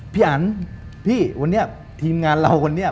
พี่อันพี่วันนี้ทีมงานเราคนนี้